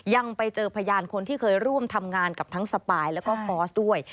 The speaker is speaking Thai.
ยังไปเจอพยานคนที่เคยร่วมทำงานกับทั้งสปายแล้วก็ฟอร์สด้วย